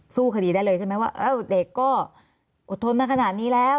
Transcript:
สู้คดีได้เลยใช่ไหมว่าเด็กก็อดทนมาขนาดนี้แล้ว